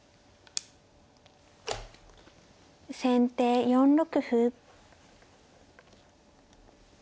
先手４六歩。